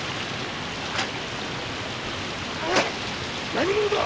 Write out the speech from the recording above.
何者だ！